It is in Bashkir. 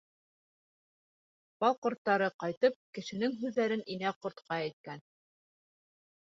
Бал ҡорттары ҡайтып Кешенең һүҙҙәрен Инә ҡортҡа әйткән.